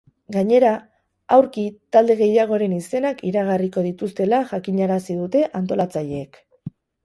Gainera, aurki talde gehiagoren izenak iragarriko dituztela jakinarazi dute antolatzaileek.